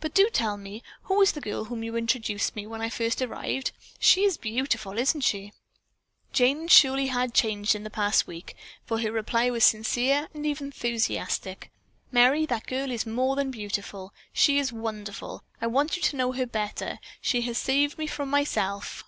But do tell me who is the girl to whom you introduced me when I first arrived? She is beautiful, isn't she?" Jane surely had changed in the past week, for her reply was sincere and even enthusiastic. "Merry, that girl is more than beautiful. She is wonderful! I want you to know her better. She has saved me from myself."